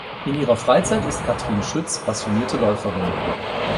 In ihrer Freizeit ist Katrin Schütz passionierte Läuferin.